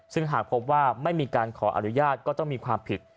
ซึ่งหากพบว่าไม่มีการขออนุญาตก็ต้องมีความผิด